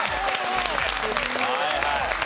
はいはい。